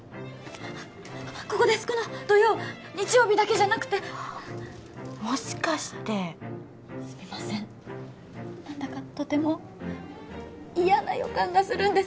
ここですこの土曜日曜日だけじゃなくてもしかしてすみません何だかとても嫌な予感がするんです